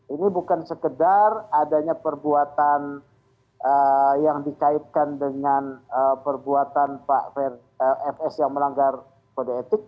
ini bukan sekedar adanya perbuatan yang dikaitkan dengan perbuatan pak fs yang melanggar kode etik